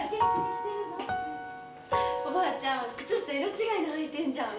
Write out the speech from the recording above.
おばあちゃん、靴下色違いの履いてんじゃん！